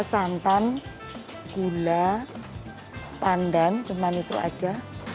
santan gula pandan cuma itu aja